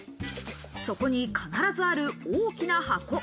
そこに必ずある大きな箱。